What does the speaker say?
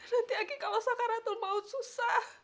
nanti aki kalo sakaratul maut susah